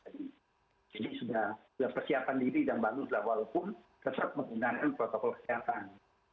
jadi sudah persiapan diri dan bangun walaupun tetap menggunakan protokol kesehatan